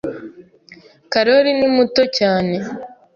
Karoli ni muto cyane.